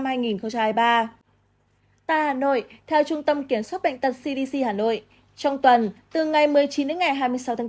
tại hà nội theo trung tâm kiểm soát bệnh tật cdc hà nội trong tuần từ ngày một mươi chín đến ngày hai mươi sáu tháng bốn